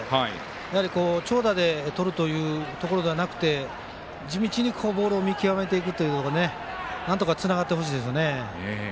やはり、長打で取るというところではなくて地道にボールを見極めていくというのがなんとかつながってほしいですね。